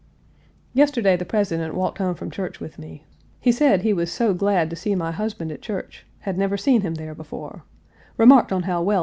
Yesterday the President walked home from church with me. He said he was so glad to see my husband at church; had never seen him there before remarked on how well he 1.